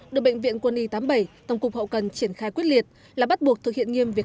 được bệnh viện quân y tám mươi bảy tổng cục hậu cần triển khai quyết liệt là bắt buộc thực hiện nghiêm việc